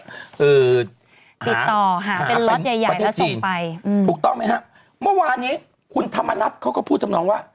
ติดต่อหาเป็นรถใหญ่แล้วส่งไปถูกต้องมั้ยฮะเมื่อวานี้คุณธรรมนัทเขาก็พูดจำนองว่า